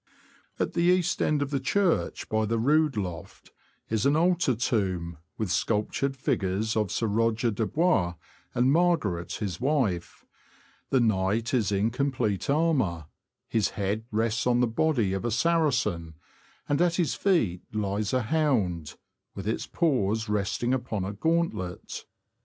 At the east end of the church, by the rood loft, is an altar tomb, with sculptured figures of Sir Roger de Bois and Margaret his wife ; the knight is in complete armour ; his head rests on the body of a Saracen, and at his feet lies a hound, with its paws resting upon a gauntlet.